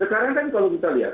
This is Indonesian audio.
sekarang kan kalau kita lihat